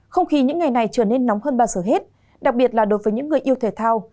không khí những ngày này trở nên nóng hơn bao giờ hết đặc biệt là đối với những người yêu thể thao